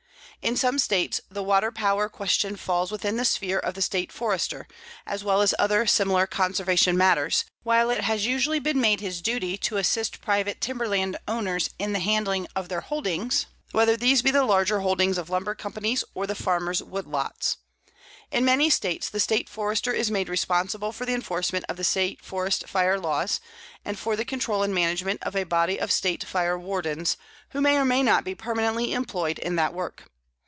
In some States the waterpower question falls within the sphere of the State Forester, as well as other similar Conservation matters, while it has usually been made his duty to assist private timberland owners in the handling of their holdings, whether these be the larger holdings of lumber companies or the farmers' woodlots. In many States the State Forester is made responsible for the enforcement of the State forest fire laws, and for the control and management of a body of State fire wardens, who may or may not be permanently employed in that work.